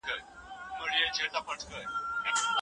د خپل کورني ژوند رازونه ولي ساتئ؟